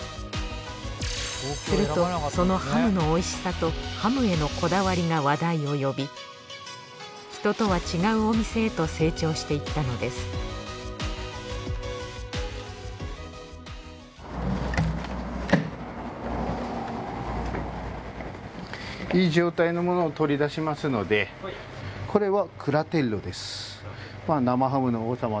するとそのハムの美味しさとハムへのこだわりが話題を呼び人とは違うお店へと成長していったのですこれは。